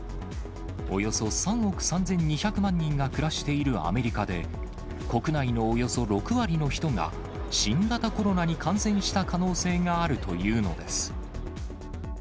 およそ３億３２００万人が暮らしているアメリカで、国内のおよそ６割の人が新型コロナに感染した可能性があるというのです。